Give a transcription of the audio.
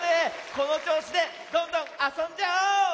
このちょうしでどんどんあそんじゃおう！